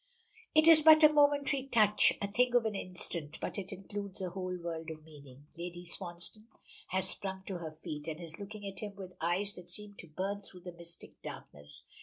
It is but a momentary touch, a thing of an instant, but it includes a whole world of meaning. Lady Swansdown has sprung to her feet, and is looking at him with eyes that seem to burn through the mystic darkness.